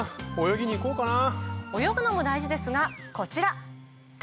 泳ぐのも大事ですがこちら。